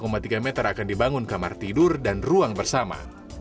lantai dua dan tiga meter akan dibangun kamar tidur dan ruang bersama